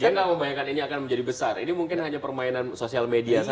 saya nggak membayangkan ini akan menjadi besar ini mungkin hanya permainan sosial media saja